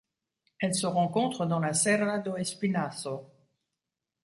Elle se rencontre dans la Serra do Espinhaço.